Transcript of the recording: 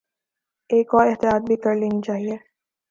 ایک اور احتیاط بھی کر لینی چاہیے۔